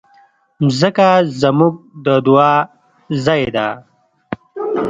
مځکه زموږ د دعا ځای ده.